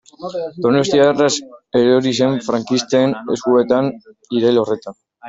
Donostia erraz erori zen frankisten eskuetan irail horretan.